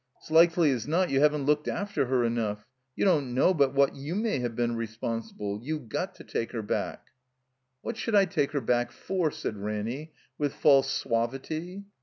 'S likely's not you haven't looked after her enough. You don't know but what you may have been responsible. You got to take her back." "What shotdd I take her back for?" said Ranny, with false suavity.